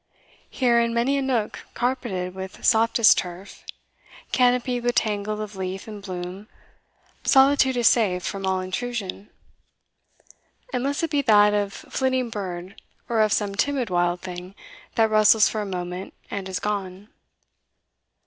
Here, in many a nook carpeted with softest turf, canopied with tangle of leaf and bloom, solitude is safe from all intrusion unless it be that of flitting bird, or of some timid wild thing that rustles for a moment and is gone.